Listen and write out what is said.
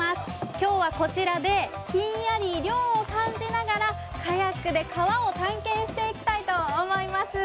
今日はこちらでひんやり涼を感じながらカヤックで川を探検していきたいと思います。